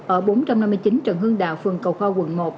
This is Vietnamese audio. ở bốn trăm năm mươi chín trần hưng đạo phường cầu kho quận một